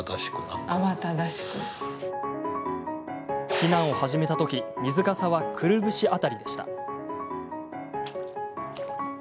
避難を始めたとき水かさは、くるぶし辺りでした。